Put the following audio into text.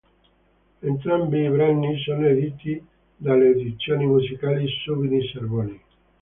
Entrambi i brani sono editi dalle Edizioni musicali Suvini-Zerboni.